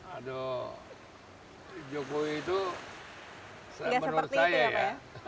aduh jokowi itu menurut saya ya